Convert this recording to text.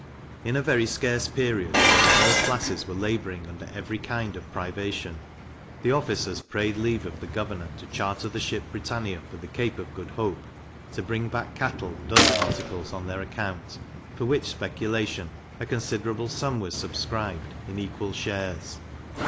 In a very scarce period, when all classes were labouring under every kind of privation, the officers prayed leave of the governor to charter the ship Britannia for the Cape of Good Hope, to bring back cattle and other articles on their account, for which speculation a considerable sum was subscribed, in equal shares.